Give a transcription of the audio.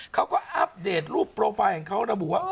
เขาก็อัปเดตรูปโปรไฟล์ของเขาแล้วบอกว่า